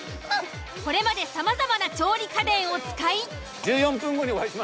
これまでさまざまな調理家電を使い。